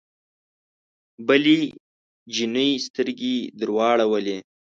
بلې جینۍ سترګې درواړولې